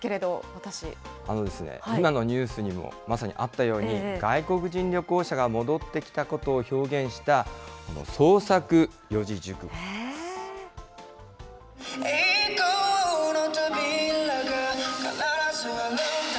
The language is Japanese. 今のニュースにもまさにあったように、外国人旅行者が戻ってきたことを表現した、創作四字熟語なんです。